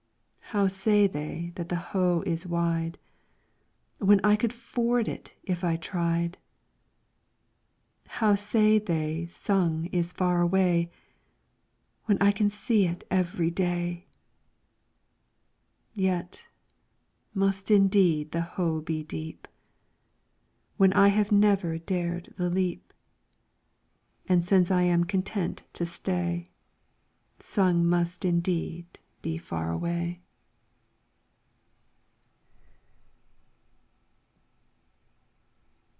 How say they that the Ho is wide, When I could ford it if I tried ? How say they Sung is far away, When I can see it every day ? Yet must indeed the Ho be deep. When I have never dared the leap ; And since I am content to stay. Sung must indeed be far away.